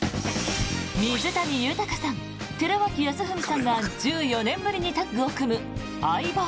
水谷豊さん、寺脇康文さんが１４年ぶりにタッグを組む「相棒」。